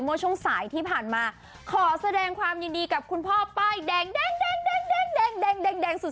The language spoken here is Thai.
เมื่อช่วงสายที่ผ่านมาขอแสดงความยินดีกับคุณพ่อป้ายแดงแดงสุด